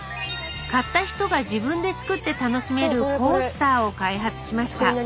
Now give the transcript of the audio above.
買った人が自分で作って楽しめるコースターを開発しました。